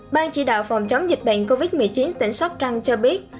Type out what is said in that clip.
ban chỉ đạo phòng chống dịch bệnh covid một mươi chín tỉnh sài gòn